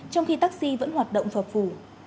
trong khi taxi vẫn hoạt động phập phủ